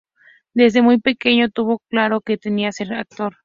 Desde muy pequeño tuvo claro que quería ser actor.